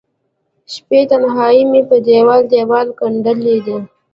شپې د تنهائې مې په دیوال، دیوال ګنډلې دي